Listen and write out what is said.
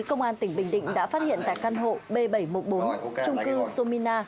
công an tỉnh bình định đã phát hiện tại căn hộ b bảy trăm một mươi bốn trung cư domin a